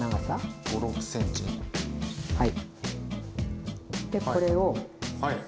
はい。